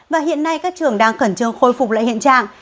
và hiện nay các trường đang khẩn trương khôi phục lại hiện trạng